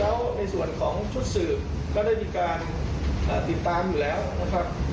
แล้วในส่วนของชุดสืบก็ได้มีการติดตามอยู่แล้วนะครับ